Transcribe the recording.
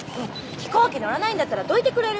飛行機乗らないんだったらどいてくれる？